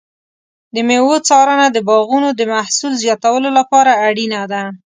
د مېوو څارنه د باغونو د محصول زیاتولو لپاره اړینه ده.